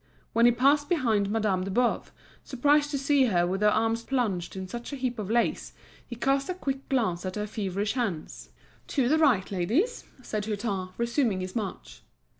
When he passed behind Madame de Boves, surprised to see her with her arms plunged in such a heap of lace he cast a quick glance at her feverish hands. "To the right, ladies," said Hutin, resuming his march.